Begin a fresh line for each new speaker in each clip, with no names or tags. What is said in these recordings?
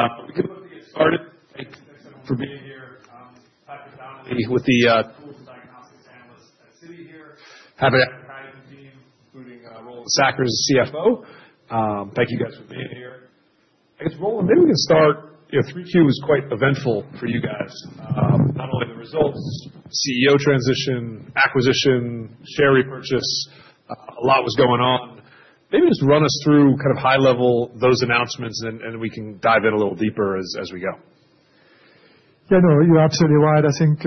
Okay. We can hopefully get started. Thanks for being here. I'm Patrick Donnelly, the Tools and Diagnostics analyst at Citi here. Have a nice day. Happy to continue, including Roland Sackers as CFO. Thank you guys for being here. I guess, Roland, maybe we can start. Q3 was quite eventful for you guys. Not only the results, CEO transition, acquisition, share repurchase. A lot was going on. Maybe just run us through kind of high level those announcements, and we can dive in a little deeper as we go.
Yeah, no, you're absolutely right. I think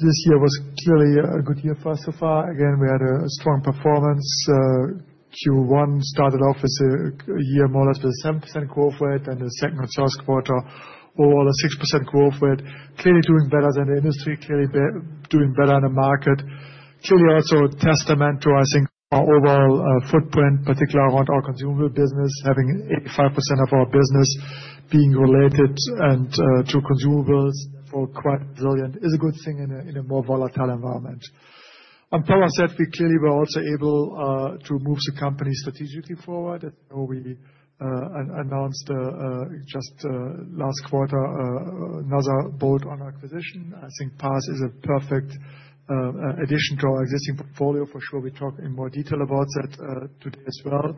this year was clearly a good year for us so far. Again, we had a strong performance. Q1 started off as a year more or less with a 7% growth rate and a second quarter overall a 6% growth rate. Clearly doing better than the industry, clearly doing better in the market. Clearly also a testament to, I think, our overall footprint, particularly around our consumables business, having 85% of our business being related to consumables. Therefore, quite resilient is a good thing in a more volatile environment. On power sets, we clearly were also able to move the company strategically forward. I think we announced just last quarter another bolt-on acquisition. I think Parse Biosciences is a perfect addition to our existing portfolio. For sure, we talk in more detail about that today as well.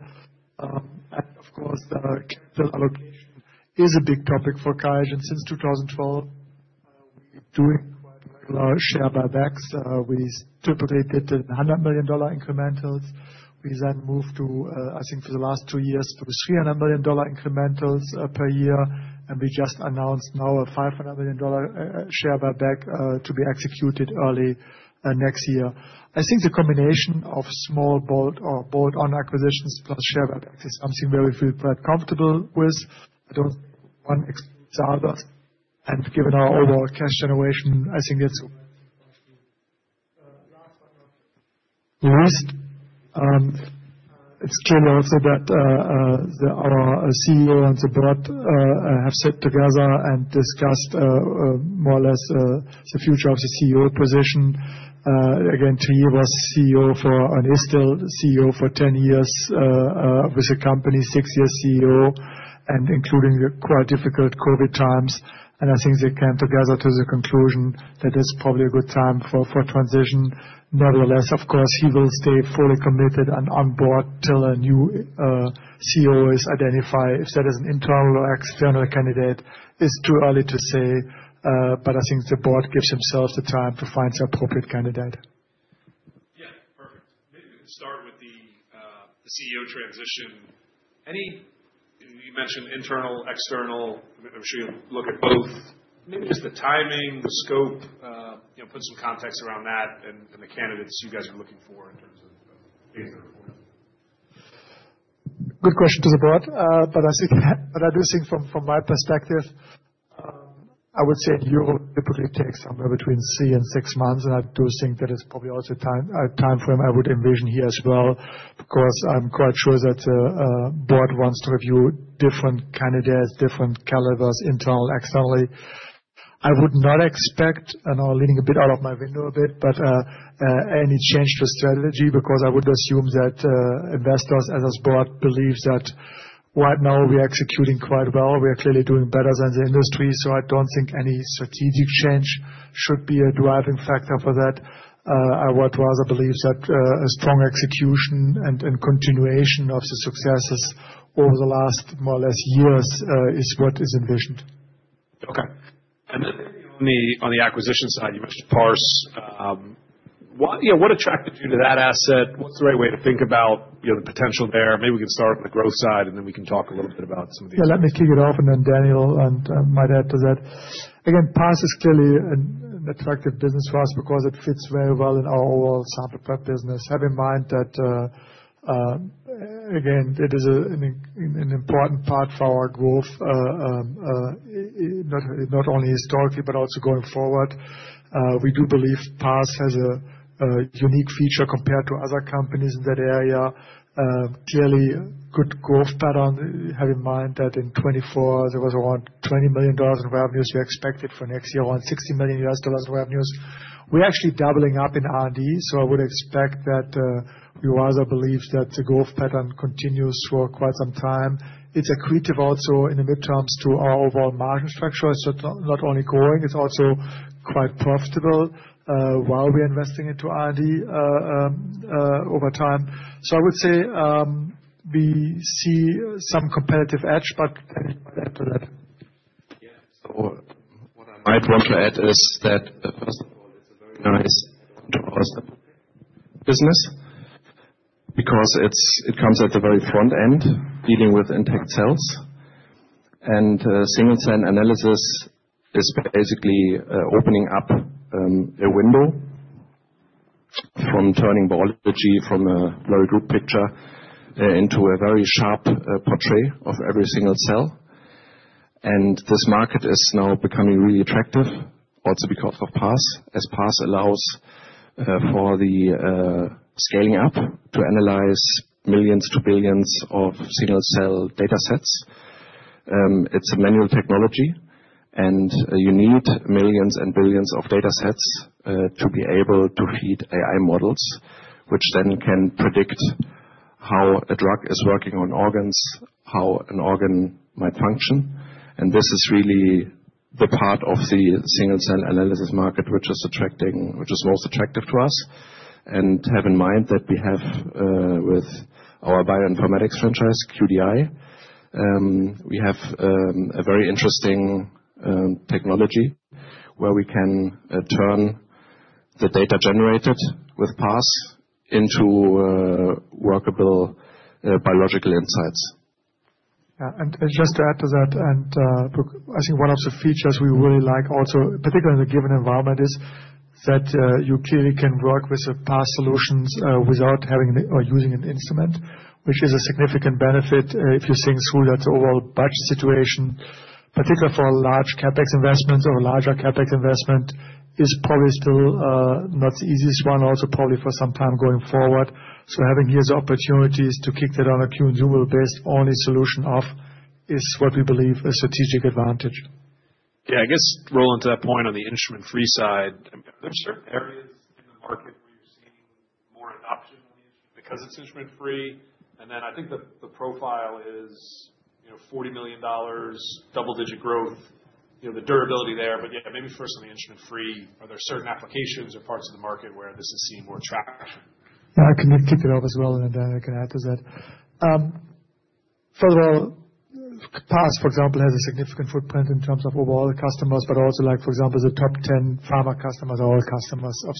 Of course, the capital allocation is a big topic for QIAGEN since 2012. We're doing quite regular share buybacks. We started with $100 million incrementals. We then moved to, I think for the last two years, to $300 million incrementals per year. We just announced now a $500 million share-buyback to be executed early next year. I think the combination of small board or board-on acquisitions plus share buybacks is something where we feel quite comfortable with. I don't think one excludes the others. Given our overall cash generation, I think it's a question of the least. It's clear also that our CEO and the board have sat together and discussed more or less the future of the CEO position. Again, Thierry was CEO for and is still CEO for 10 years with the company, six years CEO, and including quite difficult COVID times. I think they came together to the conclusion that it's probably a good time for transition. Nevertheless, of course, he will stay fully committed and on board till a new CEO is identified. If that is an internal or external candidate, it's too early to say. I think the board gives themselves the time to find the appropriate candidate.
Yeah, perfect. Maybe we can start with the CEO transition. You mentioned internal, external. I'm sure you'll look at both. Maybe just the timing, the scope, put some context around that and the candidates you guys are looking for in terms of being the report.
Good question to the board. I do think from my perspective, I would say in Europe, it typically takes somewhere between three and six months. I do think that it's probably also a time frame I would envision here as well. Of course, I'm quite sure that the board wants to review different candidates, different calibers, internal, externally. I would not expect, and I'm leaning a bit out of my window a bit, any change to strategy because I would assume that investors, as us board, believe that right now we are executing quite well. We are clearly doing better than the industry. I do not think any strategic change should be a driving factor for that. I would rather believe that a strong execution and continuation of the successes over the last more or less years is what is envisioned.
Okay. On the acquisition side, you mentioned Parse Biosciences. What attracted you to that asset? What's the right way to think about the potential there? Maybe we can start on the growth side, and then we can talk a little bit about some of these.
Yeah, let me kick it off, and then Daniel might add to that. Again, Parse is clearly an attractive business for us because it fits very well in our overall sample prep business. Having in mind that, again, it is an important part for our growth, not only historically, but also going forward. We do believe Parse has a unique feature compared to other companies in that area. Clearly, good growth pattern. Having in mind that in 2024, there was around $20 million in revenues we expected for next year, around $60 million in revenues. We're actually doubling up in R&D, so I would expect that we rather believe that the growth pattern continues for quite some time. It's accretive also in the midterms to our overall margin structure. It's not only growing, it's also quite profitable while we're investing into R&D over time. I would say we see some competitive edge, but add to that.
Yeah. What I might want to add is that, first of all, it's a very nice business because it comes at the very front end, dealing with intact cells. Single cell analysis is basically opening up a window from turning biology from a very group picture into a very sharp portrait of every single cell. This market is now becoming really attractive, also because of Parse, as Parse allows for the scaling up to analyze millions to billions of single cell data sets. It's a manual technology, and you need millions and billions of data sets to be able to feed AI models, which then can predict how a drug is working on organs, how an organ might function. This is really the part of the single cell analysis market which is most attractive to us. Having in mind that we have with our bioinformatics franchise, QDI, we have a very interesting technology where we can turn the data generated with Parse Biosciences into workable biological insights.
Yeah. And just to add to that, I think one of the features we really like also, particularly in a given environment, is that you clearly can work with Parse Biosciences solutions without having or using an instrument, which is a significant benefit if you're seeing through that overall budget situation. Particularly for large CapEx investments or a larger CapEx investment, it's probably still not the easiest one, also probably for some time going forward. Having here the opportunities to kick that on a consumer-based only solution off is what we believe a strategic advantage.
Yeah. I guess, Roland, to that point on the instrument-free side, are there certain areas in the market where you're seeing more adoption on the instrument because it's instrument-free? I think the profile is $40 million, double-digit growth, the durability there. Maybe first on the instrument-free, are there certain applications or parts of the market where this is seeing more traction?
Yeah, I can kick it off as well, and then Daniel can add to that. First of all, Parse Biosciences, for example, has a significant footprint in terms of overall customers, but also, for example, the top 10 pharma customers are all customers of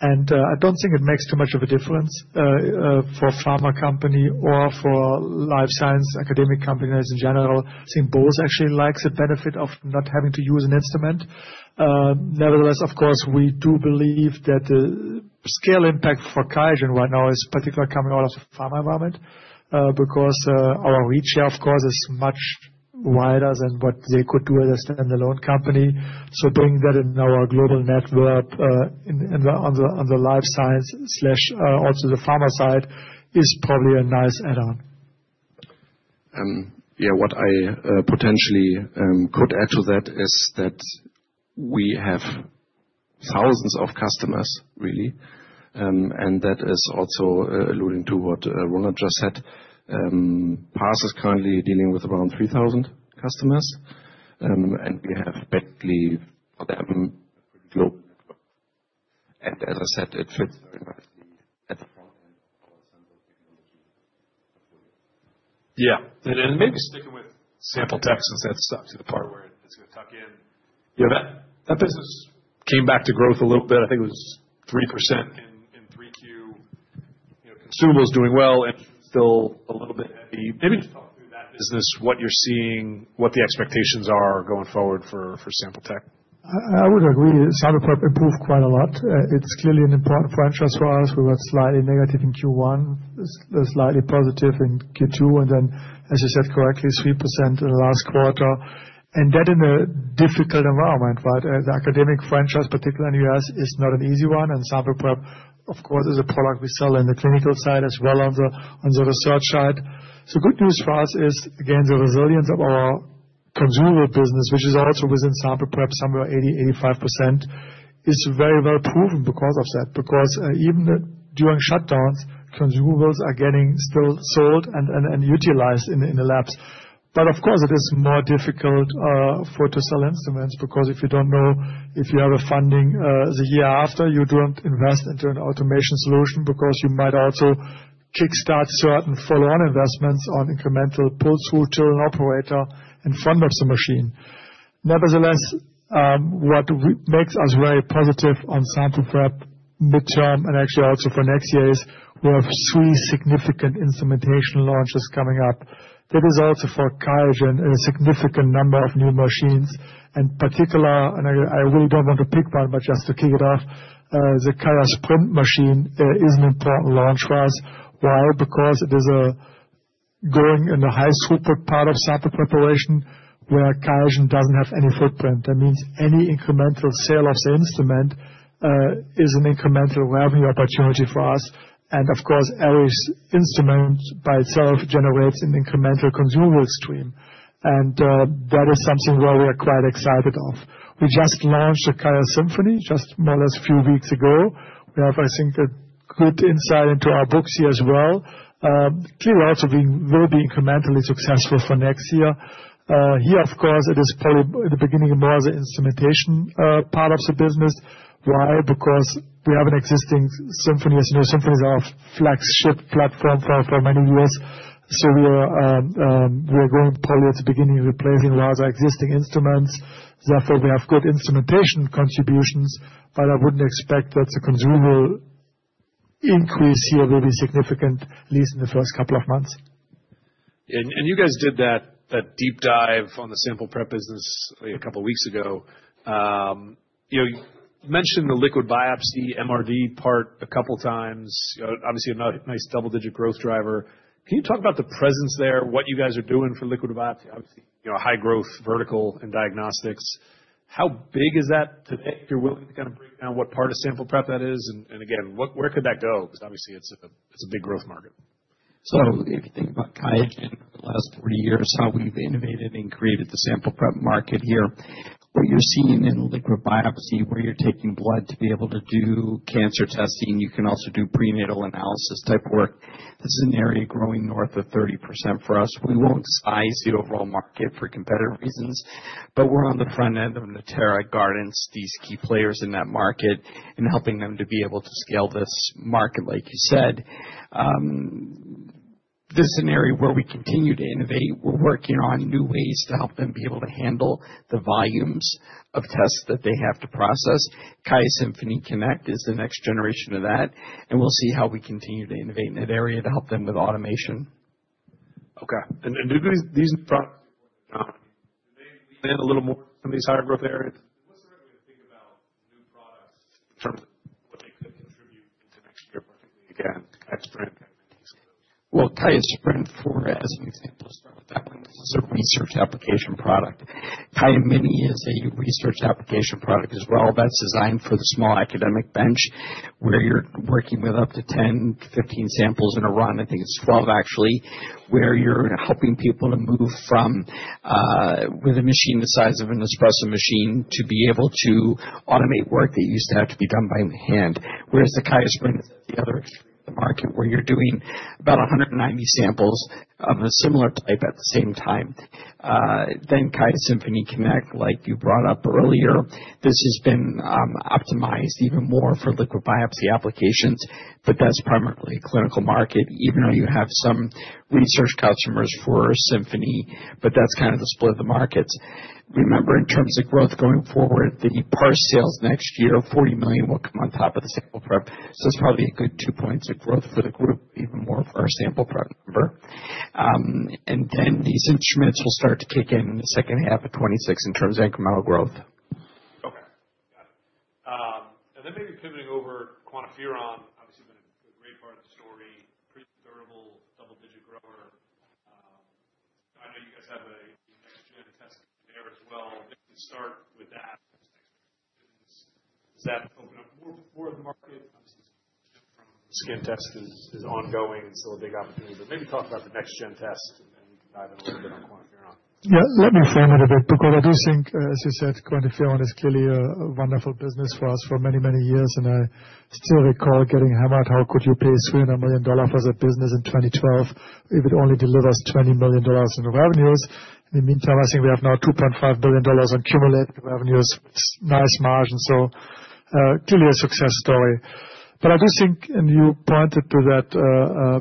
SLAM. I do not think it makes too much of a difference for a pharma company or for a life science academic company in general. I think both actually like the benefit of not having to use an instrument. Nevertheless, of course, we do believe that the scale impact for Qiagen right now is particularly coming out of the pharma environment because our reach here, of course, is much wider than what they could do as a standalone company. Bringing that in our global network on the life science/also the pharma side is probably a nice add-on.
Yeah. What I potentially could add to that is that we have thousands of customers, really. That is also alluding to what Roland just said. Parse Biosciences is currently dealing with around 3,000 customers. We have Bentley for them globally. As I said, it fits very nicely at the front end of our sample technology portfolio.
Yeah. Maybe sticking with sample tech since that is stuck to the part where it is going to tuck in. That business came back to growth a little bit. I think it was 3% in Q3. Consumables doing well and still a little bit heavy. Maybe just talk through that business, what you are seeing, what the expectations are going forward for sample tech.
I would agree. Sample prep improved quite a lot. It's clearly an important franchise for us. We were slightly negative in Q1, slightly positive in Q2, and, as you said correctly, 3% in the last quarter. That in a difficult environment, right? The academic franchise, particularly in the U.S., is not an easy one. Sample prep, of course, is a product we sell on the clinical side as well as on the research side. Good news for us is, again, the resilience of our consumable business, which is also within sample prep, somewhere 80-85%, is very well proven because of that. Because even during shutdowns, consumables are getting still sold and utilized in the labs. Of course, it is more difficult to sell instruments because if you do not know if you have funding the year after, you do not invest into an automation solution because you might also kickstart certain follow-on investments on incremental pull-through to an operator in front of the machine. Nevertheless, what makes us very positive on sample prep midterm and actually also for next year is we have three significant instrumentation launches coming up. That is also for Qiagen, a significant number of new machines. In particular, and I really do not want to pick one, but just to kick it off, the QIAsprint Connect machine is an important launch for us. Why? Because it is going in the high throughput part of sample preparation where Qiagen does not have any footprint. That means any incremental sale of the instrument is an incremental revenue opportunity for us. Of course, every instrument by itself generates an incremental consumables stream. That is something we are quite excited about. We just launched the QIAsymphony just more or less a few weeks ago. We have, I think, a good insight into our books here as well. Clearly, also we will be incrementally successful for next year. Here, of course, it is probably the beginning of more of the instrumentation part of the business. Why? Because we have an existing symphony. As you know, symphonies are a flagship platform for many years. We are going probably at the beginning of replacing rather existing instruments. Therefore, we have good instrumentation contributions, but I would not expect that the consumable increase here will be significant, at least in the first couple of months.
Yeah. You guys did that deep dive on the sample prep business a couple of weeks ago. You mentioned the liquid biopsy MRD part a couple of times. Obviously, a nice double-digit growth driver. Can you talk about the presence there, what you guys are doing for liquid biopsy? Obviously, a high-growth vertical in diagnostics. How big is that today? If you're willing to kind of break down what part of sample prep that is? Where could that go? Because obviously, it's a big growth market.
If you think about QIAGEN over the last 40 years, how we've innovated and created the sample prep market here, what you're seeing in liquid biopsy, where you're taking blood to be able to do cancer testing, you can also do prenatal analysis type work. This is an area growing north of 30% for us. We won't size the overall market for competitive reasons, but we're on the front end of Natera, Guardant, these key players in that market, and helping them to be able to scale this market, like you said. This is an area where we continue to innovate. We're working on new ways to help them be able to handle the volumes of tests that they have to process. QIAsymphony Connect is the next generation of that. We'll see how we continue to innovate in that area to help them with automation.
Okay. Do these new products in the market, do they lean a little more in some of these higher-growth areas? What's the right way to think about new products in terms of what they could contribute into next year, particularly again, QIAsprint, QIAmini?
QiAsprint 4, as an example, start with that one. This is a research application product. QIAmini is a research application product as well. That's designed for the small academic bench where you're working with up to 10-15 samples in a run. I think it's 12, actually, where you're helping people to move from with a machine the size of an espresso machine to be able to automate work that used to have to be done by hand. Whereas the QiAsprint is at the other extreme of the market where you're doing about 190 samples of a similar type at the same time. QIAsymphony Connect, like you brought up earlier, this has been optimized even more for liquid biopsy applications, but that's primarily a clinical market, even though you have some research customers for Symphony. That's kind of the split of the markets. Remember, in terms of growth going forward, the Parse sales next year, $40 million, will come on top of the sample prep. That is probably a good two percentage points of growth for the group, even more for our sample prep number. These instruments will start to kick in in the second half of 2026 in terms of incremental growth.
Okay. Got it. Maybe pivoting over to QuantiFERON, obviously been a great part of the story, pretty durable, double-digit grower. I know you guys have a next-gen testing there as well. If we can start with that as next-gen business, does that open up more of the market? Obviously, it's coming from. Skin test is ongoing and still a big opportunity. Maybe talk about the next-gen test and then we can dive in a little bit on QuantiFERON.
Yeah. Let me frame it a bit because I do think, as you said, QuantiFERON is clearly a wonderful business for us for many, many years. I still recall getting hammered, how could you pay $300 million for the business in 2012 if it only delivers $20 million in revenues? In the meantime, I think we have now $2.5 billion in cumulative revenues, which is a nice margin. Clearly a success story. I do think, and you pointed to that,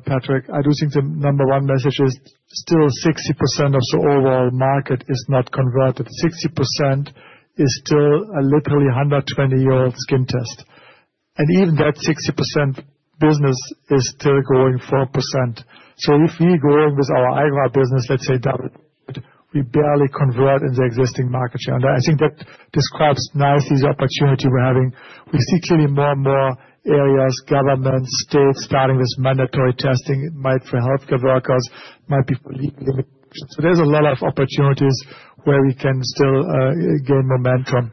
Patrick, I do think the number one message is still 60% of the overall market is not converted. 60% is still a literally 120-year-old skin test. Even that 60% business is still going 4%. If we go with our agro business, let's say, doubled, we barely convert in the existing market share. I think that describes nicely the opportunity we're having. We see clearly more and more areas, government, states starting this mandatory testing, might for healthcare workers, might be for legal immunization. There is a lot of opportunities where we can still gain momentum.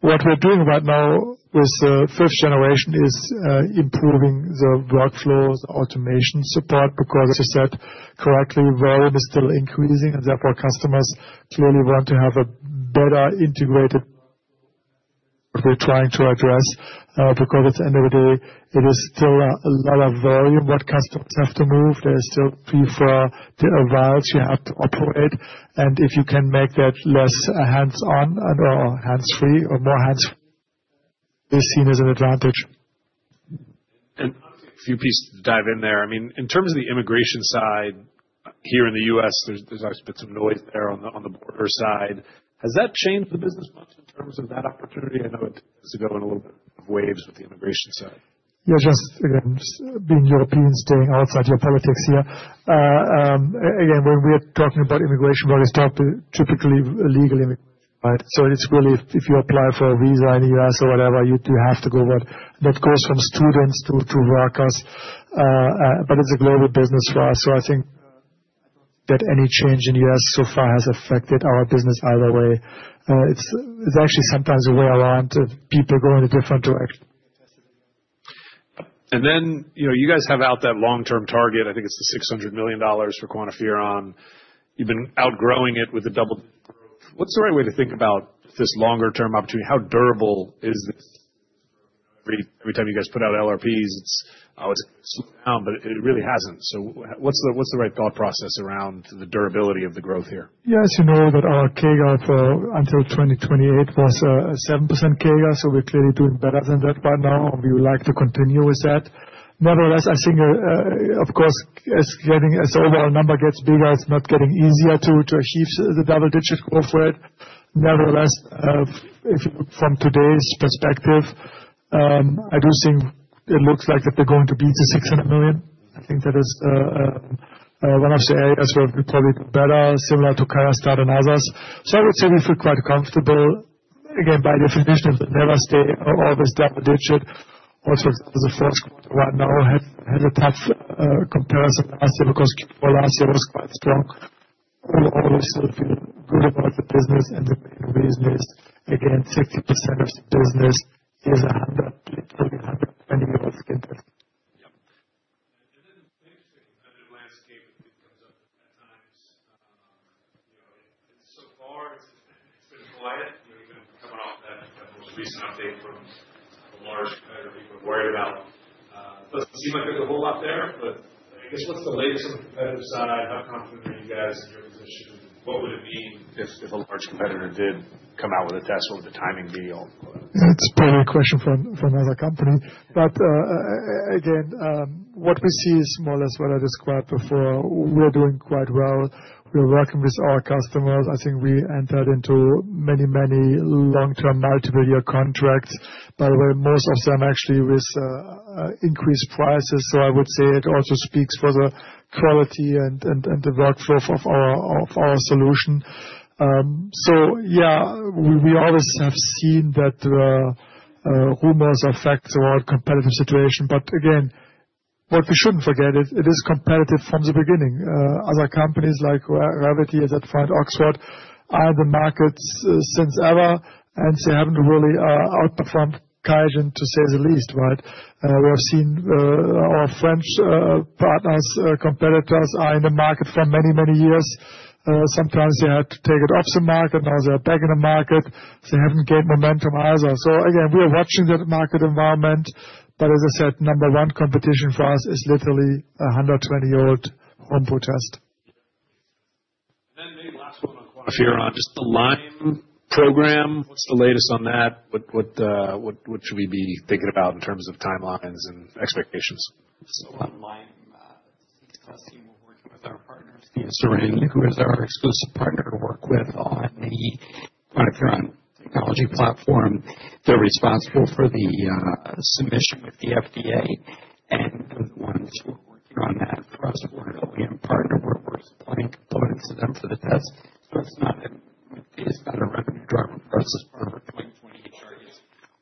What we are doing right now with fifth generation is improving the workflows, the automation support, because as you said correctly, volume is still increasing, and therefore customers clearly want to have a better integrated. We are trying to address because at the end of the day, it is still a lot of volume what customers have to move. There are still preferred valves you have to operate. If you can make that less hands-on and/or hands-free or more hands-free, it is seen as an advantage.
A few pieces to dive in there. I mean, in terms of the immigration side here in the U.S., there's obviously been some noise there on the border side. Has that changed the business much in terms of that opportunity? I know it tends to go in a little bit of waves with the immigration side.
Yeah. Just again, being European, staying outside geopolitics here. Again, when we're talking about immigration, we always talk typically legal immigration, right? So it's really, if you apply for a visa in the U.S. or whatever, you do have to go. That goes from students to workers. It is a global business for us. I do not think that any change in the U.S. so far has affected our business either way. Actually, sometimes it is the other way around, people going a different direction.
You guys have out that long-term target. I think it's the $600 million for QuantiFERON. You've been outgrowing it with the double-digit growth. What's the right way to think about this longer-term opportunity? How durable is this? Every time you guys put out LRPs, it's always slowed down, but it really hasn't. What's the right thought process around the durability of the growth here?
Yeah. As you know, our CAGR for until 2028 was 7% CAGR. So we're clearly doing better than that right now, and we would like to continue with that. Nevertheless, I think, of course, as the overall number gets bigger, it's not getting easier to achieve the double-digit growth rate. Nevertheless, if you look from today's perspective, I do think it looks like that they're going to beat the $600 million. I think that is one of the areas where we probably do better, similar to Qiagen, QIAstat-Dx and others. So I would say we feel quite comfortable. Again, by definition, it will never stay always double-digit. Also, for example, the fourth quarter right now had a tough comparison last year because Q4 last year was quite strong. Overall, we still feel good about the business. The main reason is, again, 60% of the business is a literally 120-year-old skin test.
Yep. The biggest thing is the competitive landscape. It comes up at times. So far, it's been quiet. Even coming off that most recent update from a large competitor people are worried about, it does not seem like there's a whole lot there. I guess, what's the latest on the competitive side? How confident are you guys in your position? What would it mean if a large competitor did come out with a test? What would the timing be?
That's a pretty good question from another company. Again, what we see is more or less what I described before. We're doing quite well. We're working with our customers. I think we entered into many, many long-term multiple-year contracts. By the way, most of them actually with increased prices. I would say it also speaks for the quality and the workflow of our solution. Yeah, we always have seen that rumors affect our competitive situation. Again, what we shouldn't forget, it is competitive from the beginning. Other companies like Revity, as I find Oxford, are in the market since ever. They haven't really outperformed Qiagen, to say the least, right? We have seen our French partners, competitors, are in the market for many, many years. Sometimes they had to take it off the market. Now they're back in the market. They haven't gained momentum either. Again, we are watching that market environment. As I said, number one competition for us is literally a 120-year-old HomePro test.
Maybe last one on QuantiFERON, just the Lyme program. What's the latest on that? What should we be thinking about in terms of timelines and expectations?
On Lyme, the CTES team, we're working with our partners, DiaSorin, who is our exclusive partner to work with on the QuantiFERON technology platform. They're responsible for the submission with the FDA. They're the ones who are working on that for us. We're an OEM partner. We're supplying components to them for the test. It's not a revenue driver for us as part of our 2020 HREs.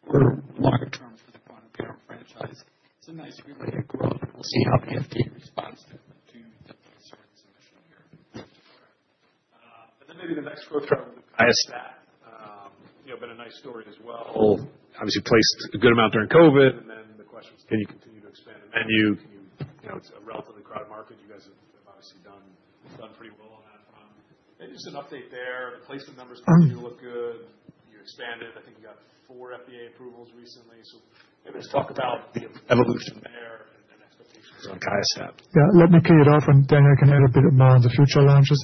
We're longer term for the QuantiFERON franchise. It's a nice related growth. We'll see how the FDA responds to the certain submission here.
Maybe the next growth driver would be QIAstat-Dx. Been a nice story as well. Obviously placed a good amount during COVID. The question was, can you continue to expand the menu? It's a relatively crowded market. You guys have obviously done pretty well on that front. Maybe just an update there. The placement numbers continue to look good. You expanded. I think you got four FDA approvals recently. Maybe let's talk about the evolution there and expectations on QIAstat-Dx.
Yeah. Let me kick it off, and then I can add a bit more on the future launches.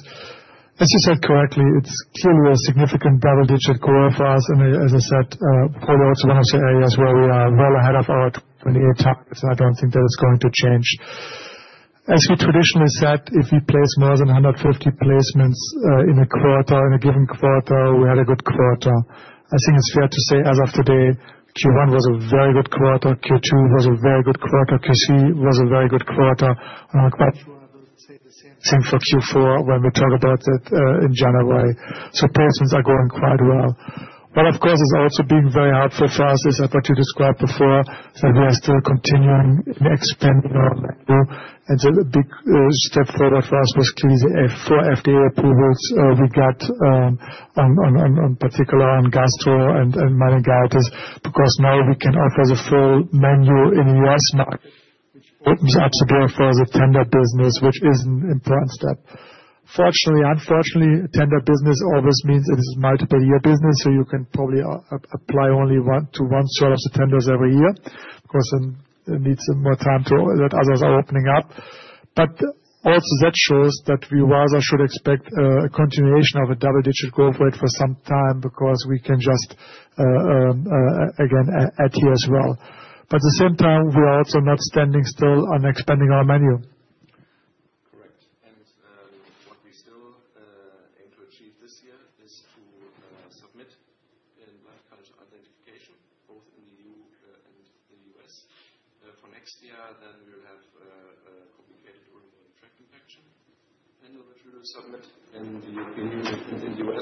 As you said correctly, it's clearly a significant double-digit growth for us. As I said, probably also one of the areas where we are well ahead of our 2028 targets. I don't think that it's going to change. As we traditionally said, if we place more than 150 placements in a quarter, in a given quarter, we had a good quarter. I think it's fair to say as of today, Q1 was a very good quarter. Q2 was a very good quarter. Q3 was a very good quarter. I'm quite sure I will say the same for Q4 when we talk about it in January. Placements are going quite well. What of course is also being very helpful for us is what you described before, that we are still continuing and expanding our menu. The big step forward for us was clearly the four FDA approvals we got, in particular on gastro and meningitis, because now we can offer the full menu in the US market, which opens up to go for the tender business, which is an important step. Fortunately, unfortunately, tender business always means it is multiple-year business. You can probably apply only to one sort of the tenders every year because it needs more time until others are opening up. That also shows that we rather should expect a continuation of a double-digit growth rate for some time because we can just, again, add here as well. At the same time, we are also not standing still on expanding our menu.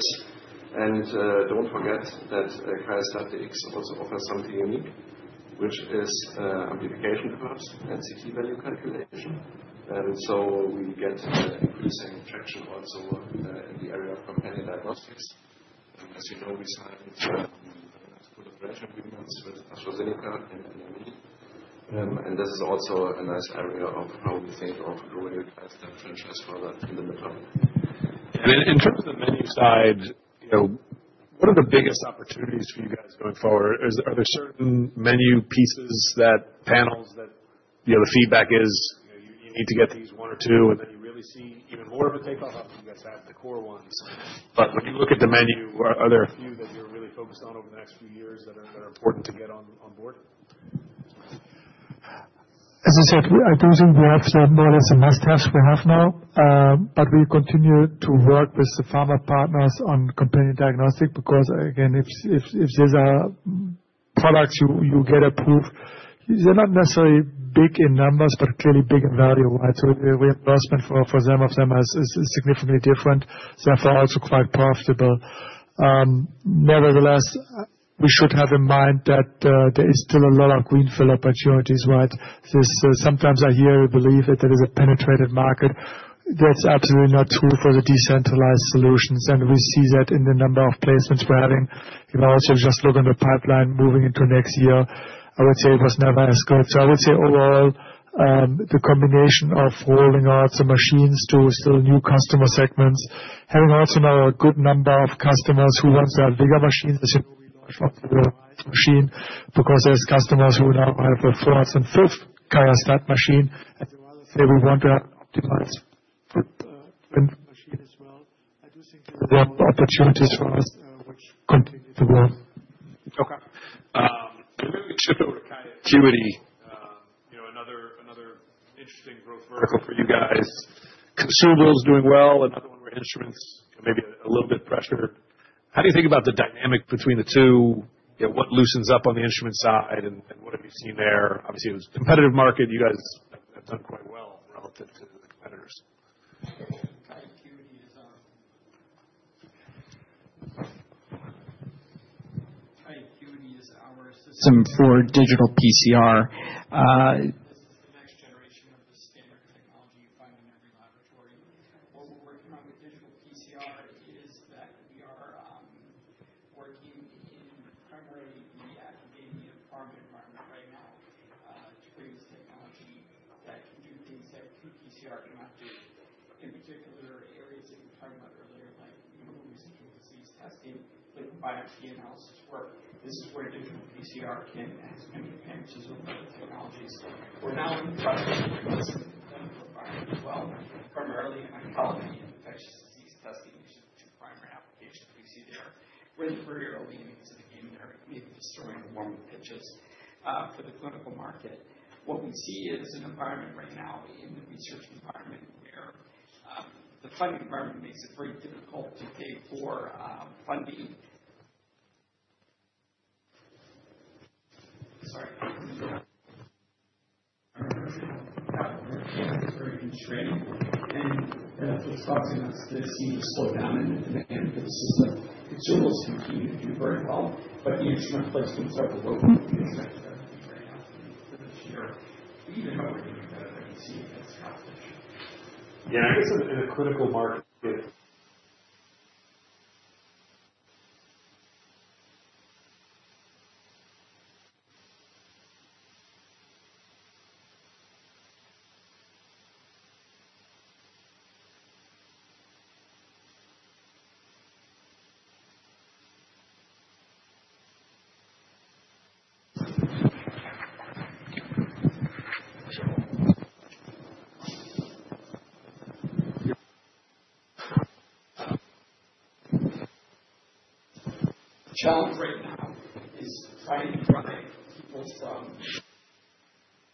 Correct. What we still aim to achieve this year is to submit in blood culture identification, both in the EU and in the US. For next year, we will have a complicated organ tract infection panel that we will submit in the European Union and in the US. Do not forget that QIAstat-Dx also offers something unique, which is amplification curves and CT value calculation. We get that increasing traction also in the area of companion diagnostics. As you know, we signed a couple of branch agreements with AstraZeneca and NME. This is also a nice area of how we think of growing the QIAstat-Dx franchise further in the middle. In terms of the menu side, what are the biggest opportunities for you guys going forward? Are there certain menu pieces, that panels, that the feedback is you need to get these one or two, and then you really see even more of a takeoff after you guys have the core ones? When you look at the menu, are there a few that you're really focused on over the next few years that are important to get on board?
As I said, I don't think we have more or less the must-haves we have now. We continue to work with the pharma partners on companion diagnostic because, again, if these are products you get approved, they're not necessarily big in numbers, but clearly big in value, right? The reimbursement for some of them is significantly different. Therefore, also quite profitable. Nevertheless, we should have in mind that there is still a lot of greenfield opportunities, right? Sometimes I hear you believe that there is a penetrative market. That's absolutely not true for the decentralized solutions. We see that in the number of placements we're having. If I also just look on the pipeline moving into next year, I would say it was never as good. I would say overall, the combination of rolling out the machines to still new customer segments, having also now a good number of customers who want to have bigger machines, as you know, we launched the OptiViewer machine because there are customers who now have a fourth and fifth QIAstat-Dx machine. We want to have an optimized machine as well. I do think there are opportunities for us, which continue to grow.
Okay. We can shift over to QIAcuity. Another interesting growth vertical for you guys. Consumables doing well. Another one where instruments may be a little bit pressured. How do you think about the dynamic between the two? What loosens up on the instrument side? What have you seen there? Obviously, it was a competitive market. You guys have done quite well relative to the competitors.
QIAcuity is our system for digital PCR. are in training. That is what is causing us to seem to slow down in the demand for the system. Consumables continue to do very well. The instrument placements are the low point of interest that we are seeing right now in this year. Even though we are doing better, we see it as a competition.
Yeah. I guess in a clinical market.
The challenge right now is trying to drive people from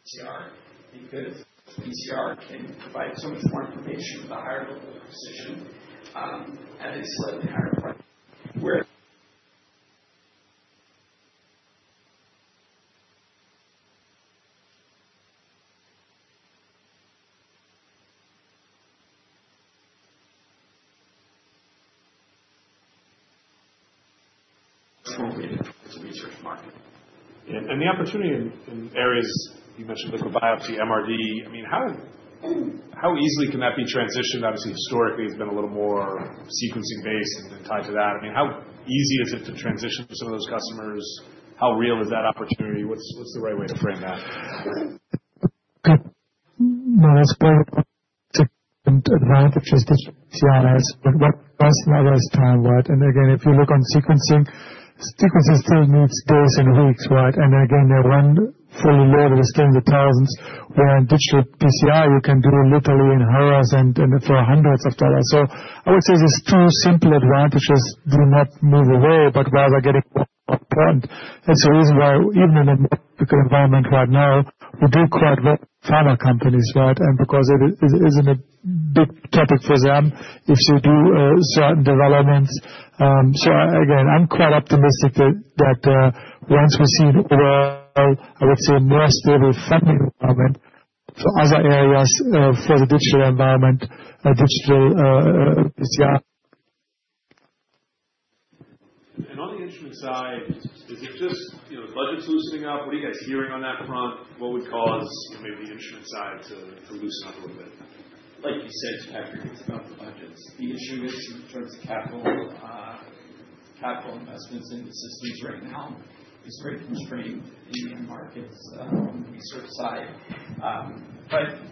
PCR because PCR can provide so much more information with a higher level of precision at a slightly higher price.
For me.
As a research market.
The opportunity in areas you mentioned, liquid biopsy, MRD. I mean, how easily can that be transitioned? Obviously, historically, it's been a little more sequencing-based and tied to that. I mean, how easy is it to transition for some of those customers? How real is that opportunity? What's the right way to frame that?
Most probably advantages digital PCR is what costs and what is time, right? If you look on sequencing, sequencing still needs days and weeks, right? They run fully loaded scans of thousands, where in digital PCR, you can do literally in hours and for hundreds of dollars. I would say these two simple advantages do not move away, but rather getting more and more important. That is the reason why even in a more difficult environment right now, we do quite well with pharma companies, right? Because it is not a big topic for them if they do certain developments. I am quite optimistic that once we see it overall, I would say a more stable funding environment for other areas for the digital environment, digital PCR.
On the instrument side, is it just budgets loosening up? What are you guys hearing on that front? What would cause maybe the instrument side to loosen up a little bit?
Like you said, it's about the budgets. The issue is in terms of capital investments in the systems right now is very constrained in the markets on the research side.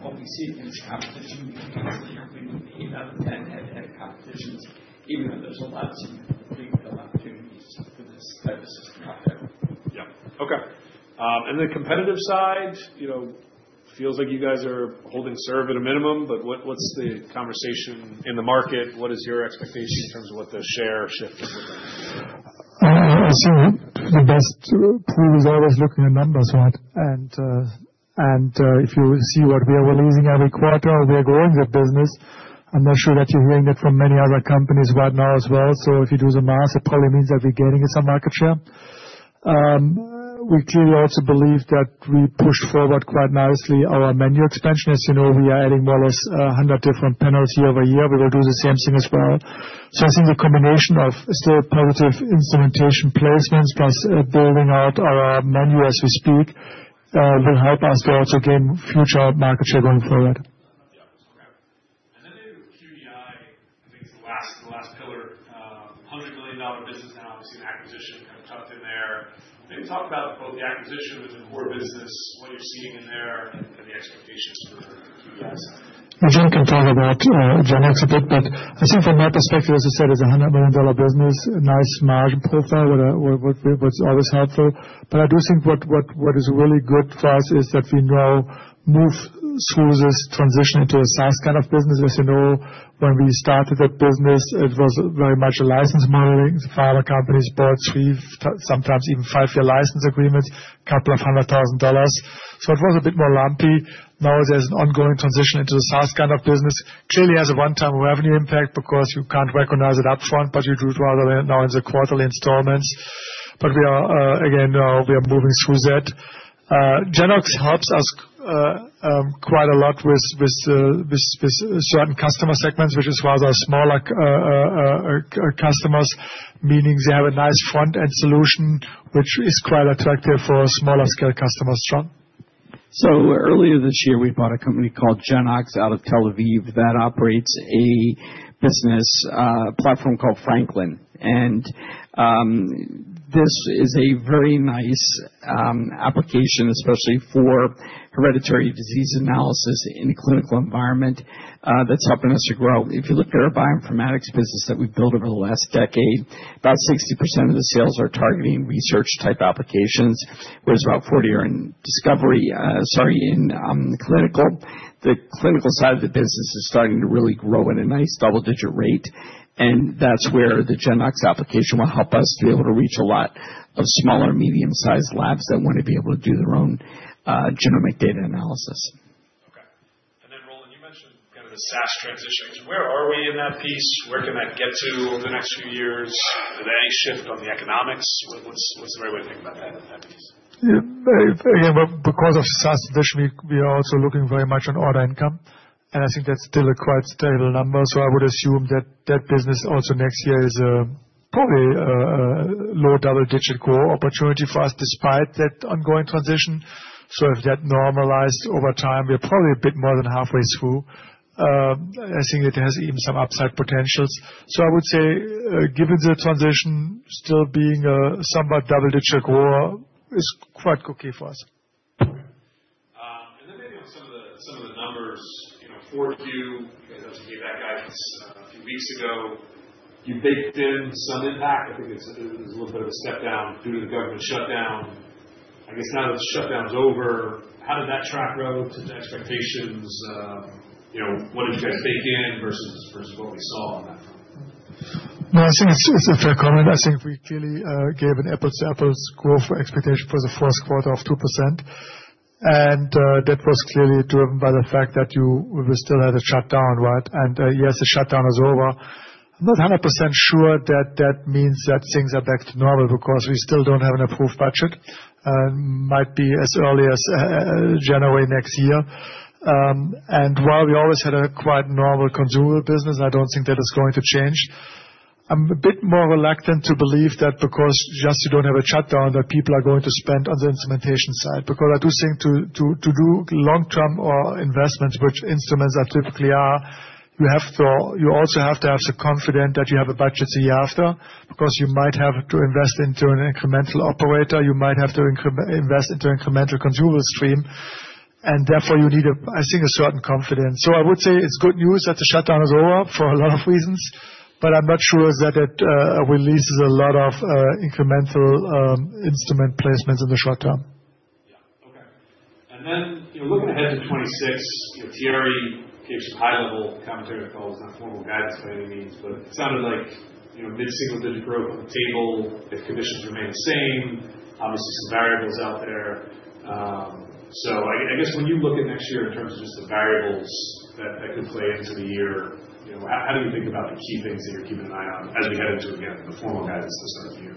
What we see in terms of competition, we can easily remain with the 8 out of 10 head-to-head competitions, even though there's a lot of significant opportunities for this type of system out there.
Yeah. Okay. The competitive side, feels like you guys are holding serve at a minimum, but what's the conversation in the market? What is your expectation in terms of what the share shift is looking like?
I think the best clue is always looking at numbers, right? If you see what we are releasing every quarter, we are growing the business. I'm not sure that you're hearing it from many other companies right now as well. If you do the math, it probably means that we're gaining some market share. We clearly also believe that we pushed forward quite nicely our menu expansion. As you know, we are adding more or less 100 different panels year over year. We will do the same thing as well. I think the combination of still positive instrumentation placements plus building out our menu as we speak will help us to also gain future market share going forward.
Yeah. And then maybe with QDI, I think it's the last pillar, $100 million business analysis and acquisition kind of tucked in there. Can you talk about both the acquisition with the core business, what you're seeing in there, and the expectations for QDI?
I can talk about genetics a bit, but I think from my perspective, as I said, it's a $100 million business, nice margin profile, which is always helpful. I do think what is really good for us is that we now move through this transition into a SaaS kind of business. As you know, when we started the business, it was very much a license modeling. The pharma companies bought three, sometimes even five-year license agreements, a couple of hundred thousand dollars. It was a bit more lumpy. Now there's an ongoing transition into the SaaS kind of business. Clearly has a one-time revenue impact because you can't recognize it upfront, but you do rather now in the quarterly installments. Again, we are moving through that. Genoox helps us quite a lot with certain customer segments, which is rather smaller customers, meaning they have a nice front-end solution, which is quite attractive for smaller-scale customers as well.
Earlier this year, we bought a company called Genoox out of Tel Aviv that operates a business platform called Franklin. This is a very nice application, especially for hereditary disease analysis in the clinical environment, that's helping us to grow. If you look at our bioinformatics business that we've built over the last decade, about 60% of the sales are targeting research-type applications, whereas about 40% are in discovery, sorry, in clinical. The clinical side of the business is starting to really grow at a nice double-digit rate. That is where the Genoox application will help us to be able to reach a lot of smaller, medium-sized labs that want to be able to do their own genomic data analysis.
Okay. Roland, you mentioned kind of the SaaS transition. Where are we in that piece? Where can that get to over the next few years? Is there any shift on the economics? What's the right way to think about that piece?
Again, because of SaaS transition, we are also looking very much on order income. I think that's still a quite stable number. I would assume that that business also next year is probably a low double-digit core opportunity for us despite that ongoing transition. If that normalized over time, we are probably a bit more than halfway through. I think it has even some upside potentials. I would say, given the transition still being somewhat double-digit core, it's quite okay for us.
Maybe on some of the numbers, 4Q, you guys obviously gave that guidance a few weeks ago. You baked in some impact. I think there's a little bit of a step down due to the government shutdown. I guess now that the shutdown's over, how did that track relative to the expectations? What did you guys bake in versus what we saw on that front?
No, I think it's a fair comment. I think we clearly gave an apples-to-apples growth expectation for the first quarter of 2%. That was clearly driven by the fact that we still had a shutdown, right? Yes, the shutdown is over. I'm not 100% sure that that means that things are back to normal because we still don't have an approved budget. It might be as early as January next year. While we always had a quite normal consumer business, I don't think that is going to change. I'm a bit more reluctant to believe that just because you don't have a shutdown, people are going to spend on the instrumentation side. Because I do think to do long-term investments, which instruments typically are, you also have to have some confidence that you have a budget the year after because you might have to invest into an incremental operator. You might have to invest into an incremental consumable stream. Therefore, you need, I think, a certain confidence. I would say it's good news that the shutdown is over for a lot of reasons, but I'm not sure that that releases a lot of incremental instrument placements in the short term.
Yeah. Okay. Looking ahead to 2026, Thierry gave some high-level commentary, of course, not formal guidance by any means, but it sounded like mid-single-digit growth on the table if conditions remain the same. Obviously, some variables out there. I guess when you look at next year in terms of just the variables that could play into the year, how do you think about the key things that you're keeping an eye on as we head into, again, the formal guidance to start the year?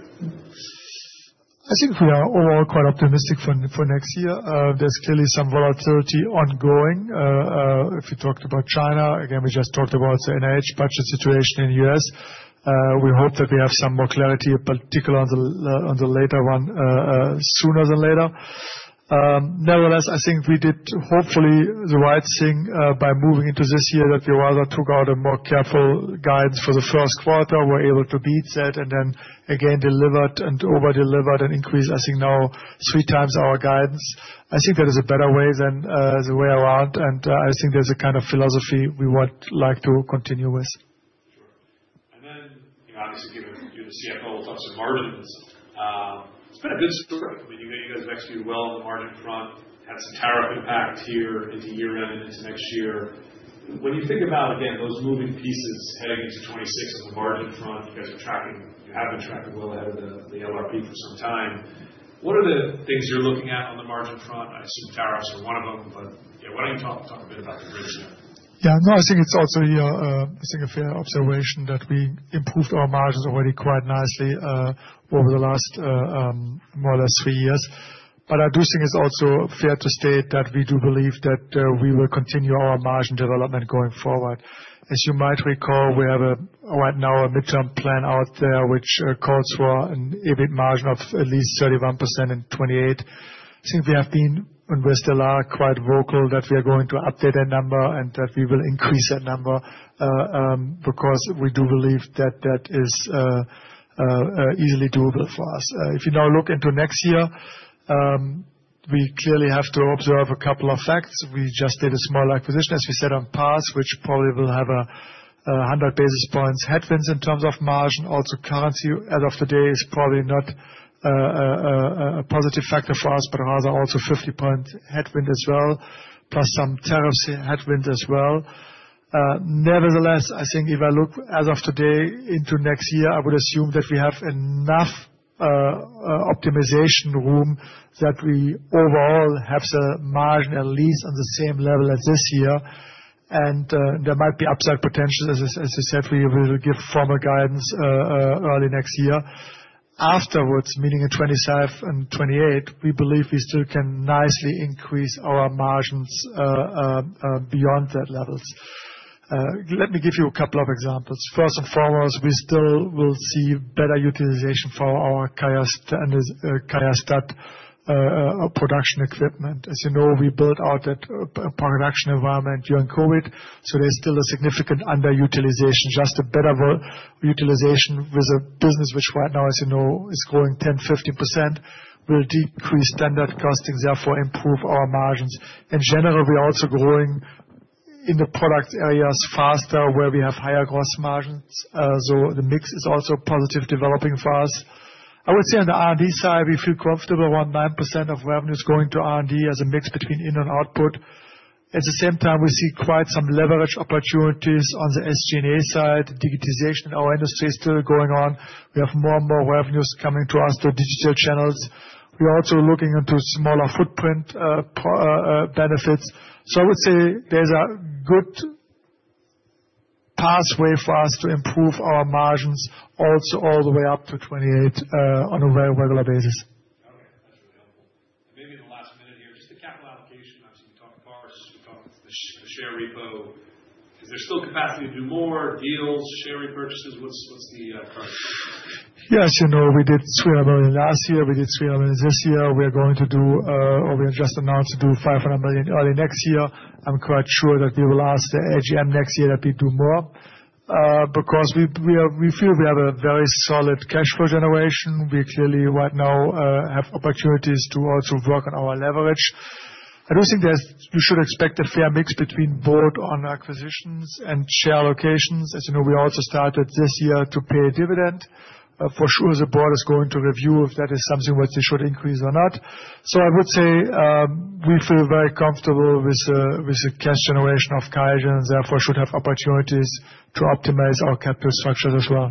I think we are overall quite optimistic for next year. There is clearly some volatility ongoing. If you talked about China, again, we just talked about the NIH budget situation in the U.S. We hope that we have some more clarity, particularly on the later one, sooner than later. Nevertheless, I think we did hopefully the right thing by moving into this year that we rather took out a more careful guidance for the first quarter. We were able to beat that and then again delivered and over-delivered and increased, I think, now three times our guidance. I think that is a better way than the way around. I think there is a kind of philosophy we would like to continue with.
Sure. Obviously, given the CFO talks of margins, it's been a good story. I mean, you guys have executed well on the margin front, had some tariff impact here into year-end and into next year. When you think about, again, those moving pieces heading into 2026 on the margin front, you guys are tracking, you have been tracking well ahead of the LRP for some time. What are the things you're looking at on the margin front? I assume tariffs are one of them, but yeah, why don't you talk a bit about the risk?
Yeah. No, I think it's also a fair observation that we improved our margins already quite nicely over the last more or less three years. I do think it's also fair to state that we do believe that we will continue our margin development going forward. As you might recall, we have right now a midterm plan out there, which calls for an EBIT margin of at least 31% in 2028. I think we have been, and we still are, quite vocal that we are going to update that number and that we will increase that number because we do believe that that is easily doable for us. If you now look into next year, we clearly have to observe a couple of facts. We just did a small acquisition, as we said on pass, which probably will have a 100 basis points headwind in terms of margin. Also, currency as of today is probably not a positive factor for us, but rather also 50 basis points headwind as well, plus some tariffs headwind as well. Nevertheless, I think if I look as of today into next year, I would assume that we have enough optimization room that we overall have the margin at least on the same level as this year. There might be upside potentials, as I said, we will give formal guidance early next year. Afterwards, meaning in 2025 and 2028, we believe we still can nicely increase our margins beyond that levels. Let me give you a couple of examples. First and foremost, we still will see better utilization for our QIAstat-Dx production equipment. As you know, we built out that production environment during COVID. There is still a significant underutilization, just a better utilization with a business which right now, as you know, is growing 10-15%, will decrease standard costing, therefore improve our margins. In general, we are also growing in the product areas faster where we have higher gross margins. The mix is also positive developing for us. I would say on the R&D side, we feel comfortable around 9% of revenues going to R&D as a mix between in and output. At the same time, we see quite some leverage opportunities on the SG&A side. Digitization in our industry is still going on. We have more and more revenues coming to us through digital channels. We are also looking into smaller footprint benefits. I would say there is a good pathway for us to improve our margins also all the way up to 2028 on a very regular basis.
Okay. That's really helpful. Maybe in the last minute here, just the capital allocation. I've seen you talked to Citi. You talked about the share repo. Is there still capacity to do more deals, share repurchases? What's the current?
Yes. We did $300 million last year. We did $300 million this year. We are going to do, or we are just announced to do, $500 million early next year. I'm quite sure that we will ask the AGM next year that we do more because we feel we have a very solid cash flow generation. We clearly right now have opportunities to also work on our leverage. I do think we should expect a fair mix between bolt-on acquisitions and share allocations. As you know, we also started this year to pay a dividend. For sure, the board is going to review if that is something which they should increase or not. I would say we feel very comfortable with the cash generation of QIAGEN. Therefore, we should have opportunities to optimize our capital structures as well.